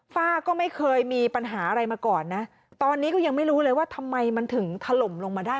ฝ้าก็ไม่เคยมีปัญหาอะไรมาก่อนนะตอนนี้ก็ยังไม่รู้เลยว่าทำไมมันถึงถล่มลงมาได้